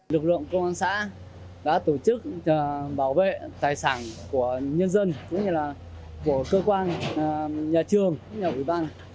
lực lượng công an xã đã tổ chức bảo vệ tài sản của nhân dân của cơ quan nhà trường nhà ủy ban